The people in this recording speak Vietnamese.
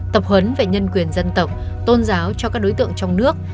tập huấn về nhân quyền dân tộc tôn giáo cho các đối tượng trong nước